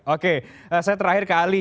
oke saya terakhir ke ali